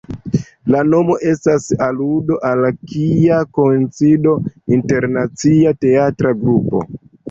La nomo estas aludo al Kia koincido, internacia teatra grupo.